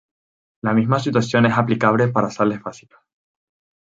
La misma situación es aplicable para sales básicas.